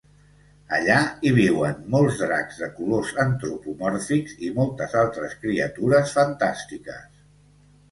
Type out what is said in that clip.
Allà hi viuen molts dracs de colors antropomòrfics i moltes altres criatures fantàstiques.